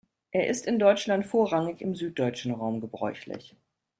Er ist in Deutschland vorrangig im süddeutschen Raum gebräuchlich.